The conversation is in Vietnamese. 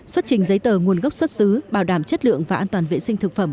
xuất trình giấy tờ nguồn gốc xuất xứ bảo đảm chất lượng và an toàn vệ sinh thực phẩm